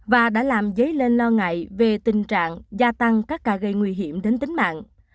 và đã làm dấy lên lo ngại về tình trạng gia tăng các ca gây nguy hiểm đến tính mạng